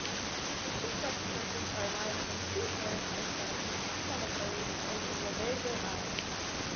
The shipwrecked persons are lying in two maritime cemeteries in the Lavezzo island.